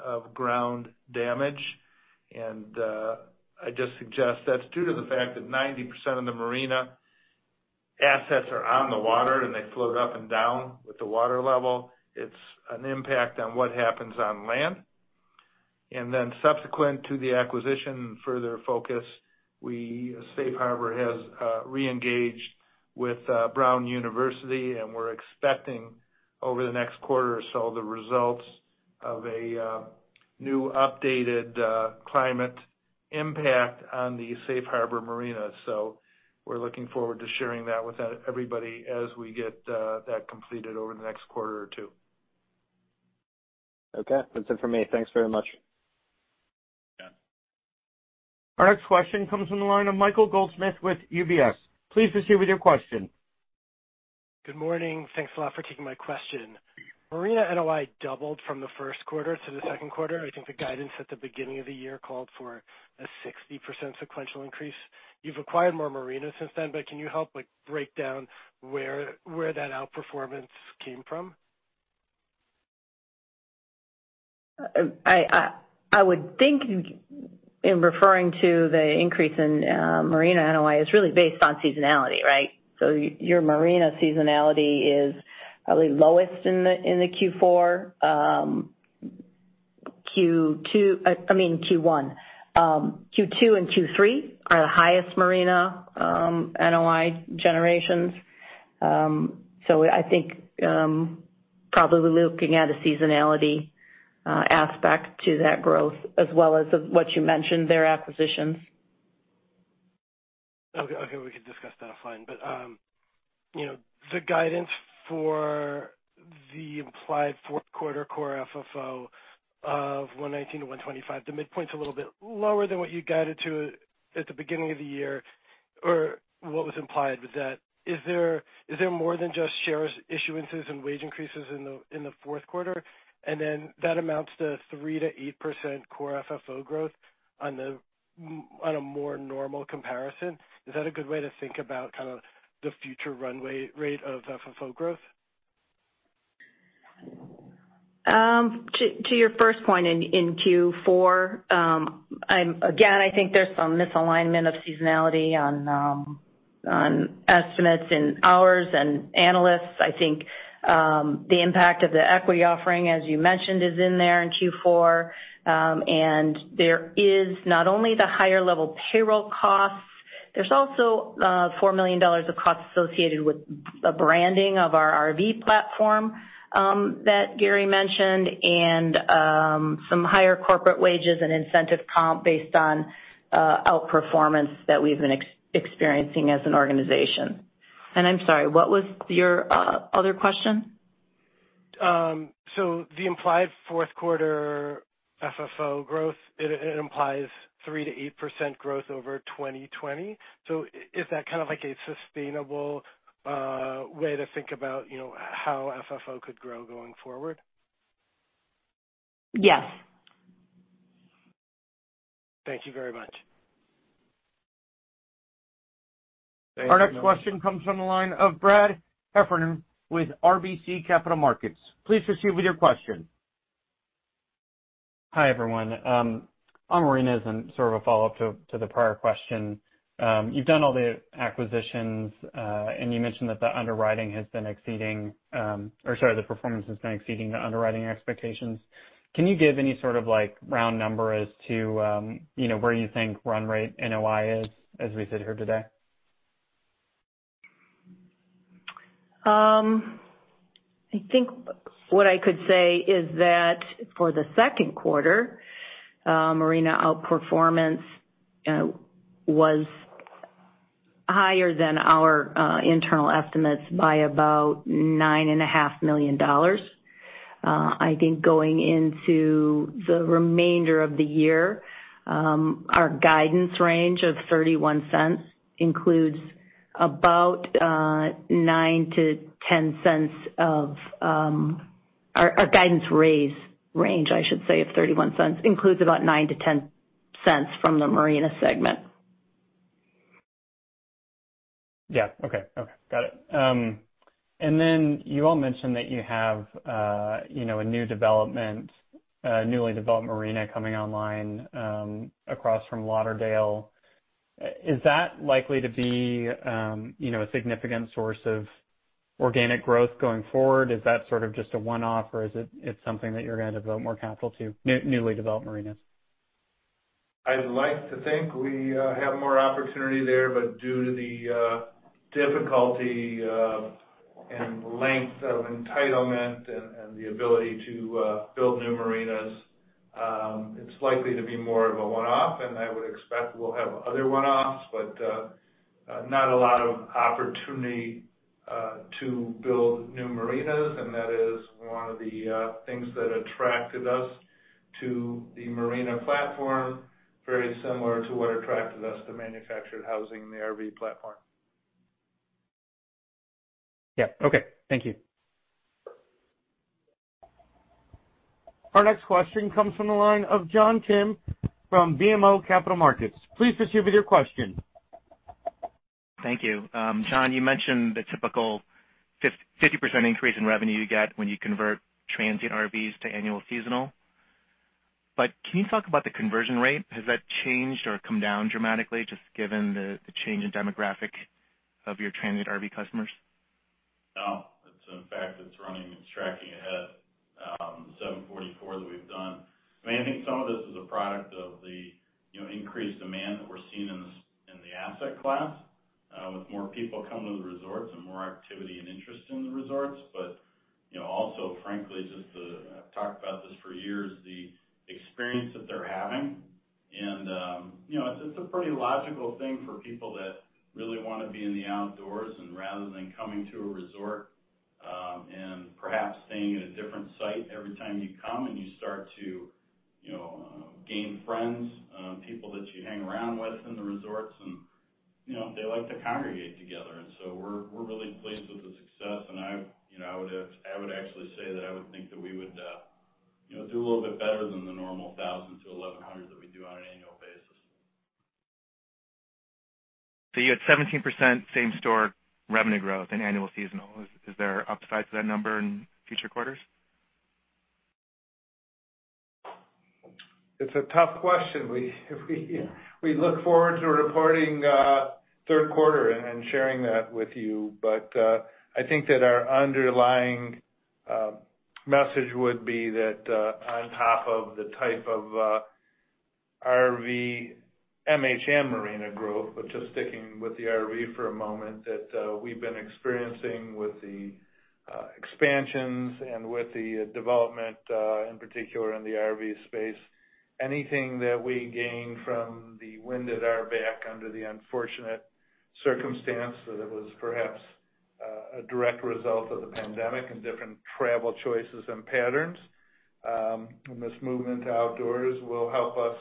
of ground damage. I just suggest that's due to the fact that 90% of the marina assets are on the water, and they float up and down with the water level. It's an impact on what happens on land. Subsequent to the acquisition and further focus, Safe Harbor has re-engaged with Brown University, and we're expecting over the next quarter or so the results of a new updated climate impact on the Safe Harbor marina. We're looking forward to sharing that with everybody as we get that completed over the next quarter or two. Okay. That's it for me. Thanks very much. Yeah. Our next question comes from the line of Michael Goldsmith with UBS. Please proceed with your question. Good morning. Thanks a lot for taking my question. Marina NOI doubled from the first quarter to the second quarter. I think the guidance at the beginning of the year called for a 60% sequential increase. Can you help break down where that outperformance came from? I would think in referring to the increase in marina NOI, it's really based on seasonality, right? Your marina seasonality is probably lowest in the Q4. I mean Q1. Q2 and Q3 are the highest marina NOI generations. I think probably looking at a seasonality aspect to that growth as well as of what you mentioned there, acquisitions. Okay. We can discuss that. Fine. The guidance for the implied fourth quarter Core FFO of $1.19-$1.25, the midpoint's a little bit lower than what you guided to at the beginning of the year, or what was implied. Is there more than just shares issuances and wage increases in the fourth quarter? That amounts to 3%-8% Core FFO growth on a more normal comparison. Is that a good way to think about the future runway rate of FFO growth? To your first point in Q4, again, I think there's some misalignment of seasonality on estimates in ours and analysts. I think the impact of the equity offering, as you mentioned, is in there in Q4. There is not only the higher level payroll costs, there's also $4 million of costs associated with the branding of our RV platform that Gary mentioned, and some higher corporate wages and incentive comp based on outperformance that we've been experiencing as an organization. I'm sorry, what was your other question? The implied fourth quarter FFO growth, it implies 3%-8% growth over 2020. Is that a sustainable way to think about how FFO could grow going forward? Yes. Thank you very much. Thank you. Our next question comes from the line of Brad Heffern with RBC Capital Markets. Please proceed with your question. Hi, everyone. On marinas, and sort of a follow-up to the prior question. You've done all the acquisitions, and you mentioned that the performance has been exceeding the underwriting expectations. Can you give any sort of round number as to where you think run rate NOI is as we sit here today? I think what I could say is that for the second quarter, marina outperformance was higher than our internal estimates by about $9.5 million. I think going into the remainder of the year, our guidance range of $0.31 includes about $0.09-$0.10 our guidance range, I should say, of $0.31, includes about $0.09-$0.10 from the marina segment. Yeah. Okay. Got it. You all mentioned that you have a newly developed marina coming online across from Lauderdale. Is that likely to be a significant source of organic growth going forward? Is that sort of just a one-off, or is it something that you're going to devote more capital to, newly developed marinas? I'd like to think we have more opportunity there. Due to the difficulty and length of entitlement and the ability to build new marinas, it's likely to be more of a one-off, and I would expect we'll have other one-offs, but not a lot of opportunity to build new marinas. That is one of the things that attracted us to the marina platform, very similar to what attracted us to manufactured housing and the RV platform. Yeah. Okay. Thank you. Our next question comes from the line of John Kim from BMO Capital Markets. Please proceed with your question. Thank you. John, you mentioned the typical 50% increase in revenue you get when you convert transient RVs to annual/seasonal. Can you talk about the conversion rate? Has that changed or come down dramatically, just given the change in demographic of your transient RV customers? No. In fact, it's running, it's tracking ahead, 744 that we've done. I think some of this is a product of the increased demand that we're seeing in the asset class, with more people coming to the resorts and more activity and interest in the resorts. Also, frankly, just the, I've talked about this for years, the experience that they're having, and it's a pretty logical thing for people that really want to be in the outdoors and rather than coming to a resort, and perhaps staying at a different site every time you come and you start to gain friends, people that you hang around with in the resorts, and they like to congregate together. We're really pleased with the success. I would actually say that I would think that we would do a little bit better than the normal 1,000-1,100 that we do on an annual basis. You had 17% same store revenue growth in annual seasonal. Is there upside to that number in future quarters? It's a tough question. We look forward to reporting third quarter and sharing that with you. I think that our underlying message would be that, on top of the type of RV, MH and marina growth, but just sticking with the RV for a moment, that we've been experiencing with the expansions and with the development, in particular in the RV space, anything that we gain from the wind at our back under the unfortunate circumstance that it was perhaps a direct result of the pandemic and different travel choices and patterns, and this movement to outdoors will help us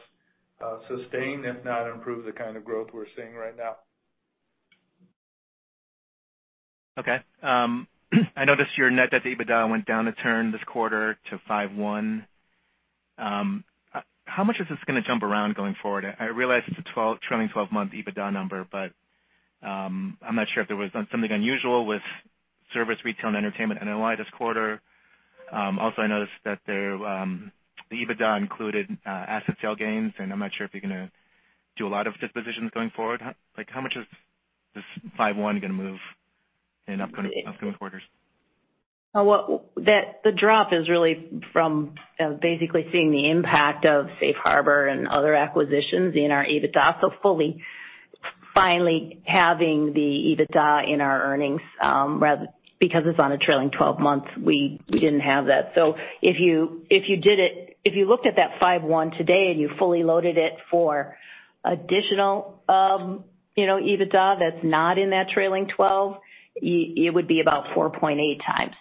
sustain, if not improve, the kind of growth we're seeing right now. Okay. I noticed your net debt to EBITDA went down a turn this quarter to 5.1. How much is this going to jump around going forward? I realize it's a trailing 12-month EBITDA number, but I'm not sure if there was something unusual with service, retail, and entertainment NOI this quarter. I noticed that the EBITDA included asset sale gains, and I'm not sure if you're going to do a lot of dispositions going forward. How much is this 5.1 going to move in upcoming quarters? The drop is really from basically seeing the impact of Safe Harbor and other acquisitions in our EBITDA. Fully finally having the EBITDA in our earnings, because it's on a trailing 12 months, we didn't have that. If you looked at that 5.1 today and you fully loaded it for additional EBITDA that's not in that trailing 12, it would be about 4.8 times.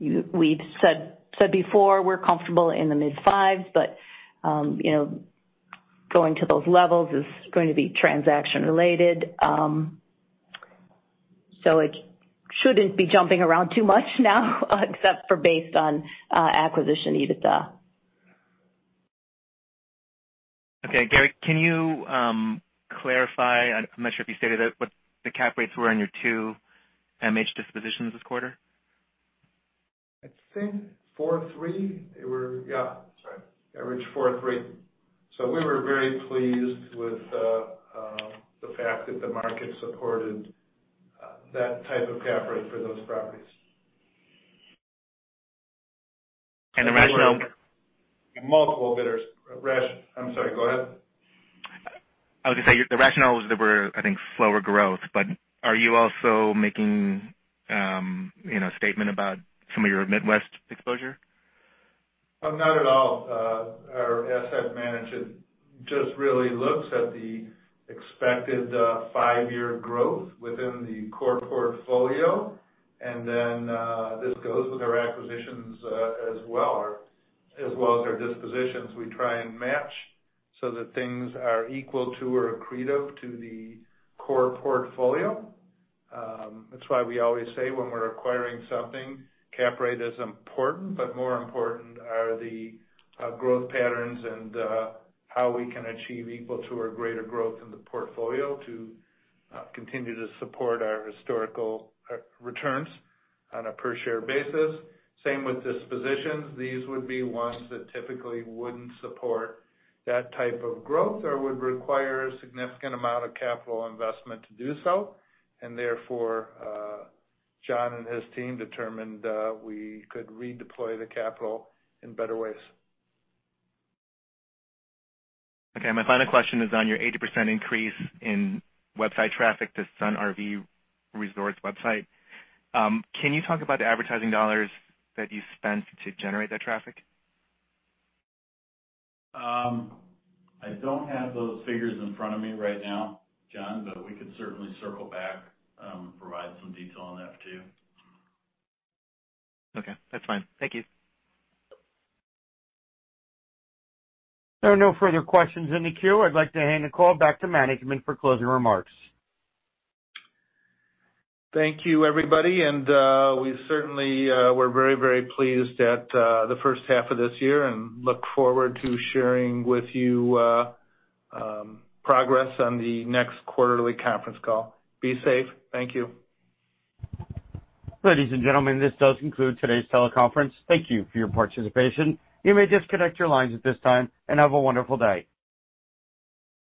We've said before, we're comfortable in the mid-fives, but going to those levels is going to be transaction related. It shouldn't be jumping around too much now except for based on acquisition EBITDA. Okay. Gary, can you clarify, I'm not sure if you stated it, what the cap rates were on your two MH dispositions this quarter? I think 4.3%. They were Yeah. That's right. Average 4.3%. We were very pleased with the fact that the market supported that type of cap rate for those properties. And the rationale- Multiple bidders. I'm sorry, go ahead. I was going to say, the rationale is they were, I think, slower growth, but are you also making a statement about some of your Midwest exposure? Not at all. Our asset management just really looks at the expected five-year growth within the core portfolio, and then this goes with our acquisitions as well as our dispositions. We try and match so that things are equal to or accretive to the core portfolio. That's why we always say when we're acquiring something, cap rate is important, but more important are the growth patterns and how we can achieve equal to or greater growth in the portfolio to continue to support our historical returns on a per share basis. Same with dispositions. These would be ones that typically wouldn't support that type of growth or would require a significant amount of capital investment to do so. Therefore, John and his team determined we could redeploy the capital in better ways. Okay. My final question is on your 80% increase in website traffic to Sun RV Resorts website. Can you talk about the advertising dollars that you spent to generate that traffic? I don't have those figures in front of me right now, John, but we could certainly circle back and provide some detail on that to you. Okay. That's fine. Thank you. There are no further questions in the queue. I'd like to hand the call back to management for closing remarks. Thank you, everybody, and we certainly were very pleased at the first half of this year and look forward to sharing with you progress on the next quarterly conference call. Be safe. Thank you. Ladies and gentlemen, this does conclude today's teleconference. Thank you for your participation. You may disconnect your lines at this time, and have a wonderful day.